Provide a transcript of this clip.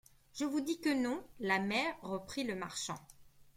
Je vous dis que non, la mère, reprit le marchand.